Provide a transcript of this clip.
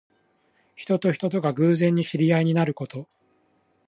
人と人とが偶然に知り合いになること。